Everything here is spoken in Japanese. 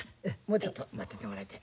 もうちょっと待っててもらいたい。